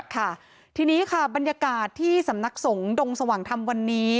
ค่ะทีนี้ค่ะบรรยากาศที่สำนักสงฆ์ดงสว่างธรรมวันนี้